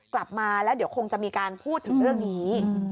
กลับมาแล้วเดี๋ยวคงจะมีการพูดถึงเรื่องนี้